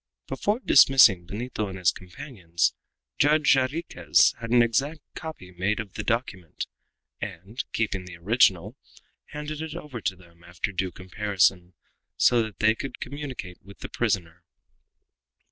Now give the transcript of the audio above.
Before dismissing Benito and his companions, Judge Jarriquez had an exact copy made of the document, and, keeping the original, handed it over to them after due comparison, so that they could communicate with the prisoner.